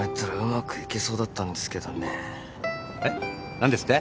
何ですって？